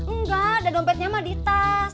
enggak ada dompetnya sama di tas